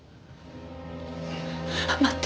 待って！